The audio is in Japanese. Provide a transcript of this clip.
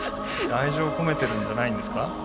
愛情を込めてるんじゃないんですか？